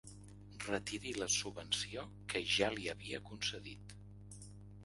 Retiri la subvenció que ja li havia concedit.